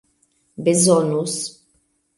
bezonus